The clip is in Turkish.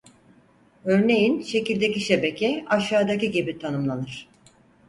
Örneğin şekildeki şebeke aşağıdaki gibi tanımlanır: